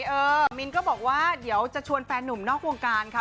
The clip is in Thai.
เออมินก็บอกว่าเดี๋ยวจะชวนแฟนหนุ่มนอกวงการค่ะ